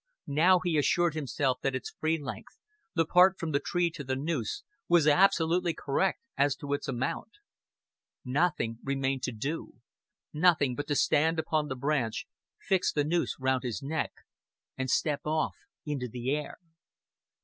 Now he assured himself that its free length the part from the tree to the noose was absolutely correct as to its amount. Nothing remained to do, nothing but to stand upon the branch, fix the noose round his neck, and step off into the air.